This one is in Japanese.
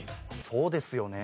そうですよね。